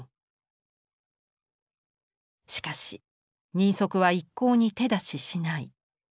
しかし人足は一向に手出ししない。